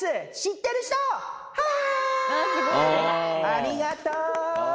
ありがとう。